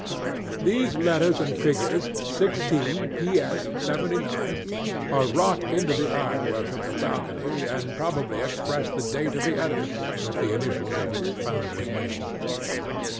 These letters and figures—"16 P.S. 79"—are wrought into the ironwork of the balcony, and probably express the date of the edifice, with the initials of its founder's name.